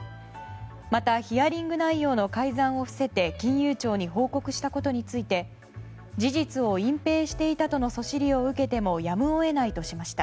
また、ヒアリング内容の改ざんを伏せて金融庁に報告したことについて事実を隠ぺいしていたとのそしりを受けてもやむを得ないとしました。